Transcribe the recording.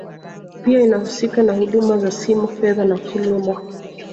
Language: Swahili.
Pia inahusika na huduma za simu fedha na kilimo